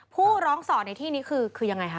ผู้ร้องสอนในที่นี้คือยังไงคะ